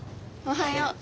おはよう。